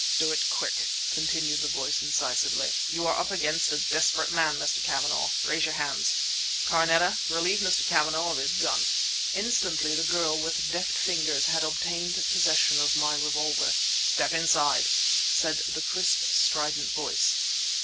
"Do it quick!" continued the voice incisively. "You are up against a desperate man, Mr. Cavanagh. Raise your hands. Carneta, relieve Mr. Cavanagh of his gun!" Instantly the girl, with deft fingers, had obtained possession of my revolver. "Step inside," said the crisp, strident voice.